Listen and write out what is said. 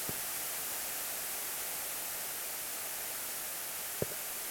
মাতুয়াইলের কাঠেরপুল এলাকায় অবরোধ-হরতালে পেট্রলবোমার আগুনে পুড়ে তিন মাস ধরে তিনি চিকিৎসাধীন।